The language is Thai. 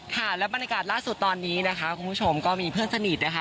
ค่ะและบรรยากาศล่าสุดตอนนี้นะคะคุณผู้ชมก็มีเพื่อนสนิทนะคะ